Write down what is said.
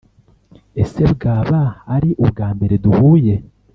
ese twaba ari ubwa mbere duhuye